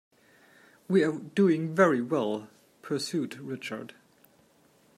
"We are doing very well," pursued Richard.